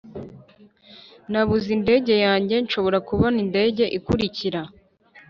nabuze indege yanjye. nshobora kubona indege ikurikira?